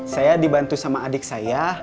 saya dibantu sama adik saya